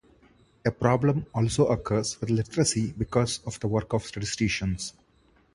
A problem also occurs with literacy because of the work of statisticians.